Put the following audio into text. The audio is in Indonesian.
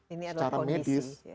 ini adalah kondisi